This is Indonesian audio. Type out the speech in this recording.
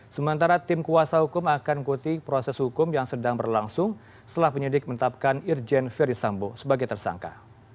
sementara tim kuasa hukum akan mengikuti proses hukum yang sedang berlangsung setelah penyidik menetapkan irjen ferdisambo sebagai tersangka